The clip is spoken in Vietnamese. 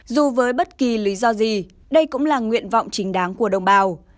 dù với bất kỳ lý do gì đây cũng là nguyện vọng chính đáng của đồng bào